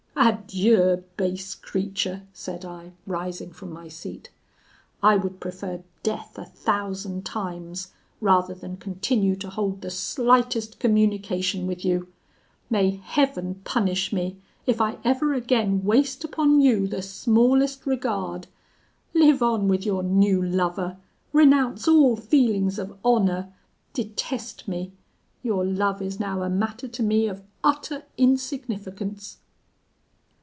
Adieu, base creature,' said I, rising from my seat; 'I would prefer death a thousand times rather than continue to hold the slightest communication with you. May Heaven punish me, if I ever again waste upon you the smallest regard! Live on with your new lover renounce all feelings of honour detest me your love is now a matter to me of utter insignificance!'